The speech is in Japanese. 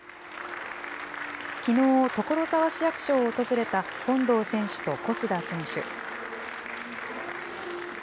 きのう、所沢市役所を訪れた本堂選手と小須田選手。